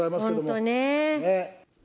本当ね。